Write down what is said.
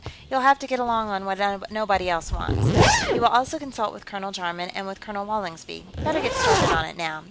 You'll have to get along on what nobody else wants. You will also consult with Colonel Jarman, and with Colonel Wallingsby. Better get started on it now.